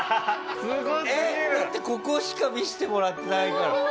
だってここしか見せてもらってないから。